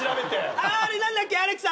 あれ何だっけアレクさん